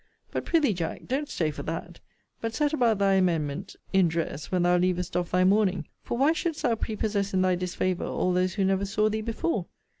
But, pr'ythee, Jack, don't stay for that; but set about thy amendment in dress when thou leavest off thy mourning; for why shouldst thou prepossess in thy disfavour all those who never saw thee before?